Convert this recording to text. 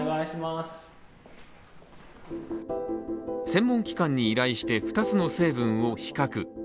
専門機関に依頼して２つの成分を比較。